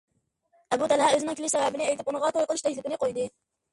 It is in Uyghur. ئەبۇ تەلھە ئۆزىنىڭ كېلىش سەۋەبىنى ئېيتىپ، ئۇنىڭغا توي قىلىش تەكلىپىنى قويدى.